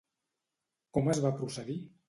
Com es va procedir?